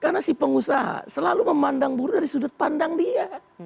karena si pengusaha selalu memandang buruh dari sudut pandang dia